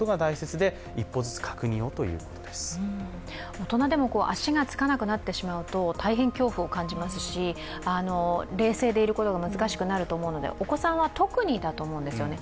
大人でも足がつかなくなってしまうと大変恐怖を感じますし、冷静できることが難しくなると思うのでお子さんは特にだと思うんですよね。